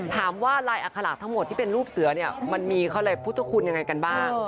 ถามว่าลายอาคาราคทั้งหมดที่เป็นรูปเสือมันมีข้อใดพุทธคุณยังไงกันบ้าง